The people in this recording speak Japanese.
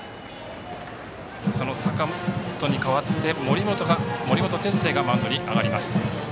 その坂本に代わって森本哲星がマウンドに上がります。